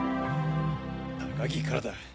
高木からだ。